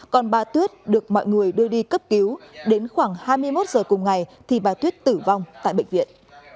còn bà tuyết được mọi người đưa đi cấp cứu đến khoảng hai mươi một giờ cùng ngày thì bà tuyết tử vong tại bệnh viện